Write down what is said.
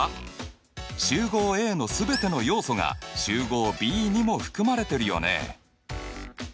集合Ａの全ての要素が集合Ｂにも含まれてるよね。